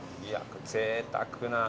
ぜいたくな。